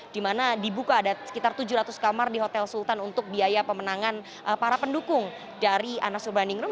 di mana dibuka ada sekitar tujuh ratus kamar di hotel sultan untuk biaya pemenangan para pendukung dari anas urbaningrum